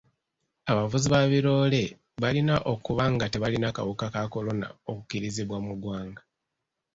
Abavuzi ba biroole balina okuba nga tebalina kawuka ka kolona okukkirizibwa mu ggwanga.